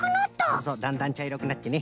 そうそうだんだんちゃいろくなってね。